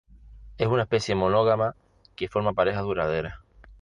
Es una especie monógama que forma parejas duraderas.